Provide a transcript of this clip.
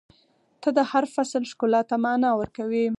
• ته د هر فصل ښکلا ته معنا ورکوې.